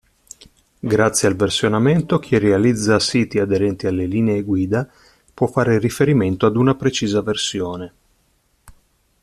Grazie al versionamento, chi realizza siti aderenti alle linee guida può fare riferimento ad una precisa versione.